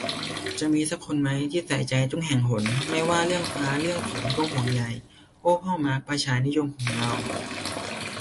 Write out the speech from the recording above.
"จะมีสักคนไหมที่ใส่ใจทุกแห่งหนไม่ว่าเรื่องฟ้าเรื่องฝนก็ห่วงใย" โอ้พ่อมาร์คประชานิยมของเรา